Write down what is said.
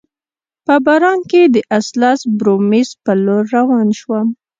په باران کي د اسلز بورومیز په لور روان شوم.